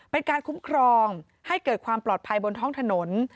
เป็นการคุ้มครองให้เกิดความปลอดภัยบนท้องถนน